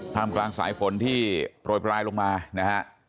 มกลางสายฝนที่โปรยปลายลงมานะฮะ